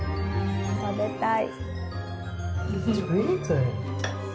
食べたい！